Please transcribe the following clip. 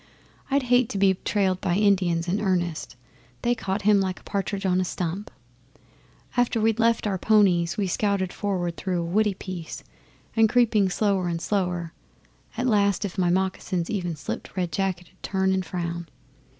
I'd hate to be trailed by Indians in earnest. They caught him like a partridge on a stump. After we'd left our ponies, we scouted forward through a woody piece, and, creeping slower and slower, at last if my moccasins even slipped Red Jacket 'ud turn and frown.